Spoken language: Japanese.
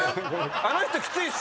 あの人きついっす！